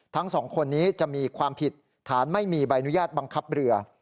ทั้งสองคนนี้จะมีความผิดฐานไม่มีใบอนุญาตบังคับเรือ